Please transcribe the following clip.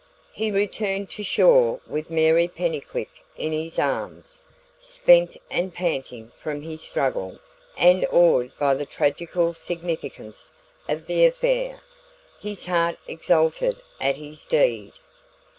He returned to shore with Mary Pennycuick in his arms. Spent and panting from his struggle, and awed by the tragical significance of the affair, his heart exulted at his deed.